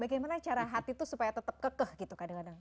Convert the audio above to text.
bagaimana cara hati itu supaya tetap kekeh gitu kadang kadang